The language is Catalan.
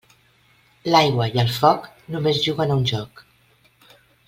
L'aigua i el foc només juguen a un joc.